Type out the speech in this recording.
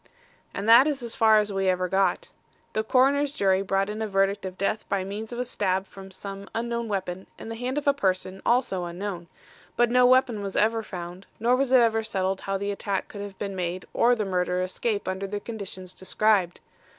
"And that is as far as we ever got. The coroner's jury brought in a verdict of death by means of a stab from some unknown weapon in the hand of a person also unknown, but no weapon was ever found, nor was it ever settled how the attack could have been made or the murderer escape under the conditions described.